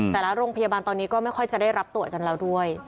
แต่ละโรงพยาบาลตอนนี้ก็ไม่ค่อยจะได้รับตรวจกันแล้วด้วย